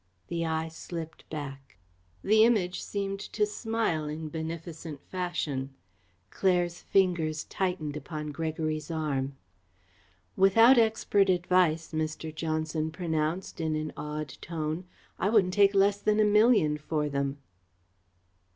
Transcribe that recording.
The eye slipped back. The Image seemed to smile in beneficent fashion. Claire's fingers tightened upon Gregory's arm. "Without expert advice," Mr. Johnson pronounced, in an awed tone, "I wouldn't take less than a million for them."